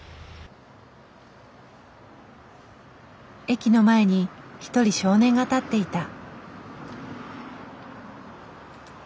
駅の前に一人少年が立っていた。